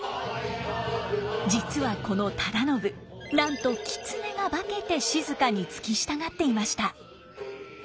実はこの忠信なんと狐が化けて静に付き従っていました。